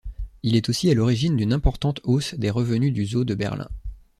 Il est aussi à l'origine d'une importante hausse des revenus du zoo de Berlin.